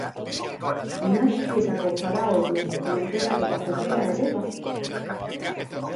Dinastietako faraoien lurperaketa tokia ere bazen.